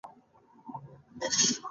نوی بوټ په لومړي ځل کلک وي